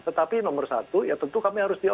tetapi nomor satu ya tentu kami harus jawab